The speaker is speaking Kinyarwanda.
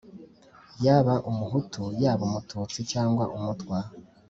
yaba umuhutu, yaba umututsi cyangwa umutwa